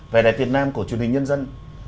về đại việt nam của truyền hình nhân dân